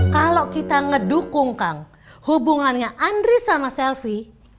kalau kita ngedukung kang hubungannya andri sama selvi